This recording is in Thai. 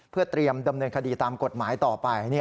เพื่อเตรียมดำเนินคดีตามกฎหมายต่อไป